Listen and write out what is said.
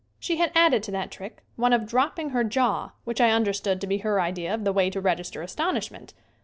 She had added to that trick one of dropping her jaw which I understood to be her idea of the way to register astonishment.